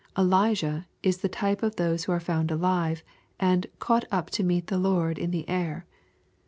Elijah is the type of those who are found alive, and " caught up to meet the Lord m the air."